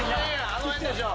あの辺でしょう。